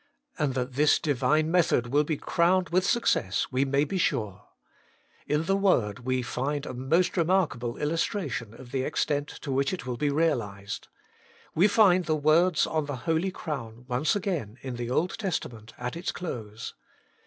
And that this Divine method will be crowned with success we may be sure. In the Word we find a most remarkable illustration of the extent to which it will be realized. We find the words on the holy crown once again in the Old Testament at its close.